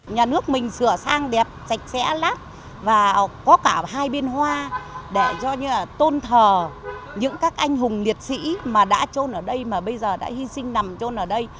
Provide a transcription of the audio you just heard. nhà nước mình sửa sang đẹp sạch sẽ lát và có cả hai biên hoa để cho như là tôn thờ những các anh hùng liệt sĩ mà đã trôn ở đây mà bây giờ đã hy sinh nằm trôn ở đây